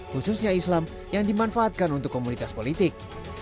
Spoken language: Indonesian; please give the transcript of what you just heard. khususnya islam yang dimanfaatkan untuk komunitas politik